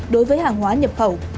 đối với hàng hóa nhập khẩu